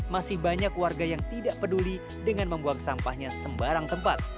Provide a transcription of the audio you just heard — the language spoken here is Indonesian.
masih banyak warga yang tidak peduli dengan membuang sampahnya sembarang tempat